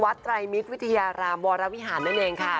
ไตรมิตรวิทยารามวรวิหารนั่นเองค่ะ